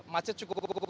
macet cukup menarik